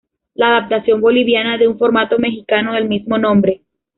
La adaptación boliviana de un formato mexicano del mismo nombre.